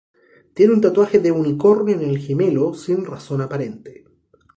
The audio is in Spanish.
Tiene un tatuaje de unicornio en el gemelo sin razón aparente.